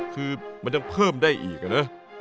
คือมันยังเพิ่มได้อีกนะ